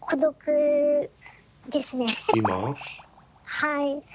はい。